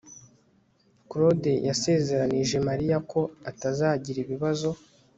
claude yasezeranije mariya ko atazagira ibibazo